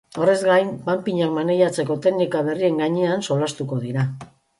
Horrez gain, panpinak maneiatzeko teknika berrien gainean solastatuko dira.